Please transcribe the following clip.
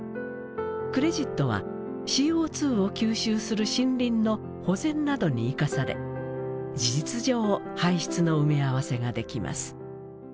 クレジットはＣＯを吸収する森林の保全などに生かされ事実上排出の埋め合わせができます。